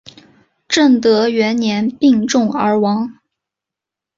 正德元年病重而亡。